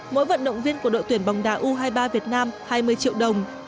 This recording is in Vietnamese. mỗi vận động viên của đội tuyển bóng đá u hai mươi ba việt nam hai mươi triệu đồng